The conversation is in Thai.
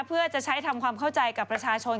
เพื่อจะใช้ทำความเข้าใจกับประชาชน